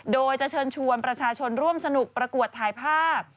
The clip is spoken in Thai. โดยจะเชิญชวนประชาชนร่วมสนุกประกวดถ่ายภาพ